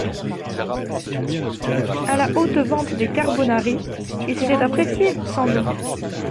A la Haute Vente des carbonari, ils s'étaient appréciés, sans doute.